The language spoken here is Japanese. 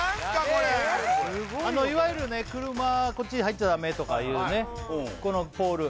これいわゆるね車こっちに入っちゃダメとかいうねこのポール